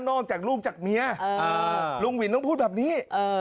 ลูกจากลูกจากเมียลุงวินต้องพูดแบบนี้